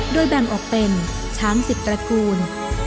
โดยแบ่งออกเป็นช้าง๑๐ตระกูล